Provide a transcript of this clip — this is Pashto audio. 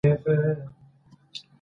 زکات د برکت لاره ده.